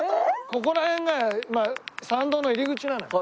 ここら辺が山道の入り口なのよ。